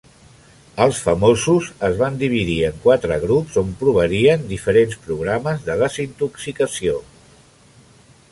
Els famosos es van dividir en quatre grups on provarien diferents programes de desintoxicació.